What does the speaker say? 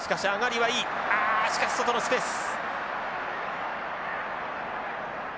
あしかし外のスペース。